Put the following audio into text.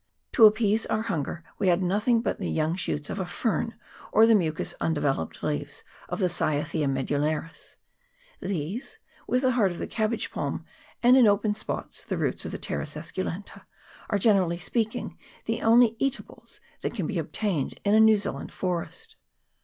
To appease our hun ger we had nothing but the young shoots of a fern, or the mucous undeveloped leaves of the Cyathea medullaris ; these, with the heart of the cabbage palm, and, in open spots, the roots of the Pteris esculenta, are, generally speaking, the only eatables that can be obtained in a New Zealand forest.